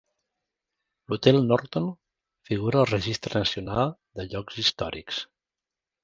L'hotel Norton figura al Registre Nacional de Llocs Històrics.